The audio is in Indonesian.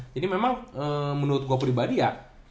jadi memang menurut gue pribadi ya